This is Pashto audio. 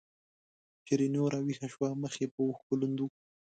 شیرینو راویښه شوه مخ یې په اوښکو لوند و.